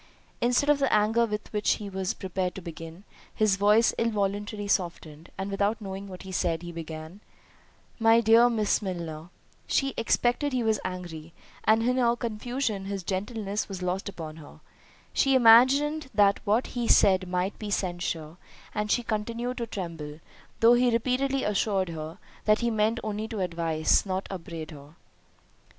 Instead of the anger with which he was prepared to begin, his voice involuntarily softened, and without knowing what he said, he began, "My dear Miss Milner."— She expected he was angry, and in her confusion his gentleness was lost upon her. She imagined that what he said might be censure, and she continued to tremble, though he repeatedly assured her, that he meant only to advise, not upbraid her.